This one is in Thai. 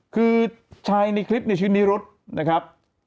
คือชายในคลิปเนี่ยชื่อนิรุธนะครับ